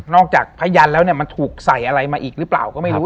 จากพยันแล้วเนี่ยมันถูกใส่อะไรมาอีกหรือเปล่าก็ไม่รู้